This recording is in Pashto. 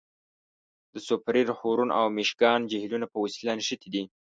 د سوپریر، هورن او میشګان جهیلونه په وسیله نښتي دي.